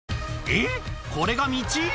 えっこれが道？